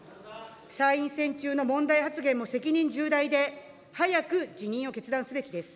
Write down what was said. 参院選中の問題発言も責任重大で、早く辞任を決断すべきです。